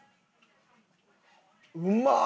うまっ！